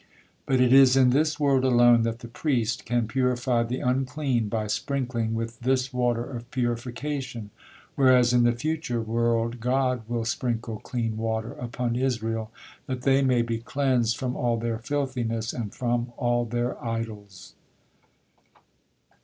But it is in this world alone that the priest can purify the unclean by sprinkling with this water of purification, whereas in the future world God will sprinkle clean water upon Israel, "that thy may be cleansed from all their filthiness, and from all their idols."